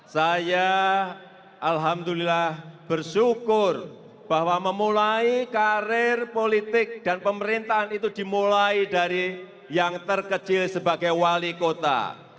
saya alhamdulillah bersyukur bahwa memulai karir politik dan pemerintahan itu dimulai dari yang terkecil sebagai wali kota